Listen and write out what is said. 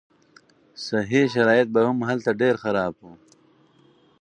صحي شرایط به هم هلته ډېر خراب وو.